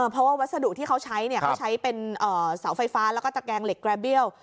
เพราะว่าวัสดุที่เขาใช้เขาใช้เป็นเสาไฟฟ้าแล้วก็ตะแกงเหล็กกระเบี้ยว